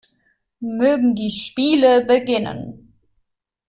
Mögen die Spiele beginnen!